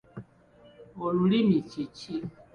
Olulimi kye ki?